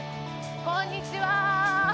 こんにちは。